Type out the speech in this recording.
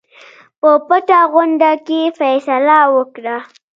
په پټه غونډه کې فیصله وکړه.